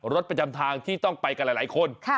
รถประจำทางที่ต้องไปกันหลายคน